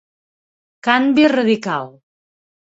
Canvi radical.